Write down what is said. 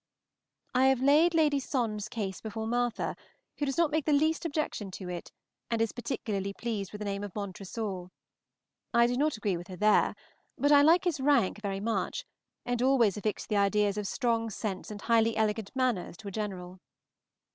I have laid Lady Sondes' case before Martha, who does not make the least objection to it, and is particularly pleased with the name of Montresor. I do not agree with her there, but I like his rank very much, and always affix the ideas of strong sense and highly elegant manners to a general.